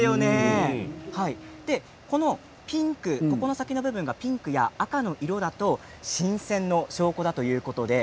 このピンク色、先の部分がピンクや赤のものだと新鮮な証拠だということなんです。